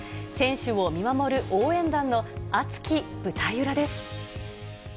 選手を見守る応援団の熱き舞台裏です。